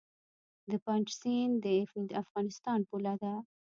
د پنج سیند د افغانستان پوله ده